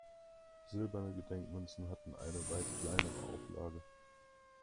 Silberne Gedenkmünzen hatten eine weit kleinere Auflage.